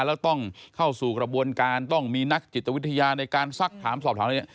แล้วต้องเข้าสู่กระบวนการต้องมีนักจิตวิทยาในการซักถามสอบถามอะไรเนี่ย